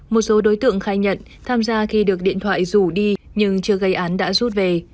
một số đối tượng khai nhận tham gia khi được điện thoại rủ đi nhưng chưa gây án đã rút về